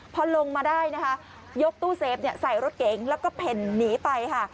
พอลงมาได้นะคะยกตู้เซฟใส่รถเก๋งแล้วก็เพ่นหนีไปค่ะ